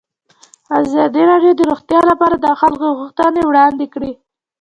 ازادي راډیو د روغتیا لپاره د خلکو غوښتنې وړاندې کړي.